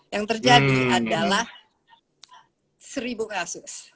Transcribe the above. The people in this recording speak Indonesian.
yang terjadi adalah seribu kasus